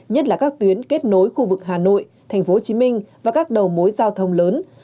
nhất là các tuyến kết nối khu vực hà nội tp hcm và các đầu mối giao thông lớn